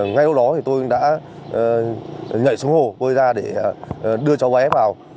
ngay lúc đó tôi đã nhảy xuống hồ vơi ra để đưa cháu bé vào